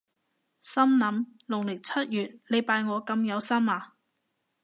心諗農曆七月你拜我咁有心呀？